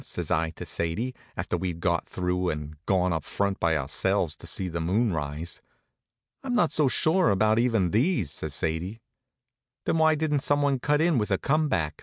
says I to Sadie, after we'd got through and gone up front by ourselves to see the moon rise. "I'm not so sure about even these," says Sadie. "Then why didn't someone cut in with a come back?"